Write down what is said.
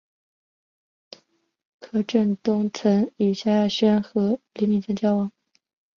柯震东曾与萧亚轩和李毓芬交往。